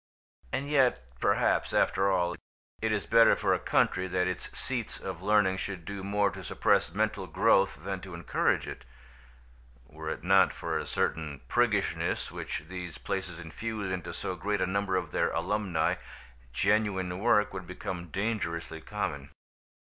And yet perhaps, after all, it is better for a country that its seats of learning should do more to suppress mental growth than to encourage it. Were it not for a certain priggishness which these places infuse into so great a number of their alumni, genuine work would become dangerously common.